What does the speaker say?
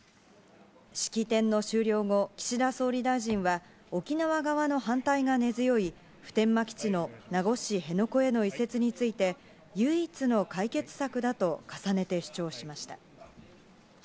式典の終了後、岸田総理大臣は、沖縄側の反対が根強い、普天間基地の名護市辺野古への移設について、唯一の解決策だと重ねて主張しました。